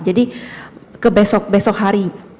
jadi ke besok besok hari